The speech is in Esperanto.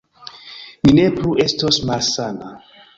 Mi ne plu estos malsana